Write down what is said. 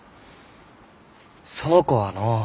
その子はのう。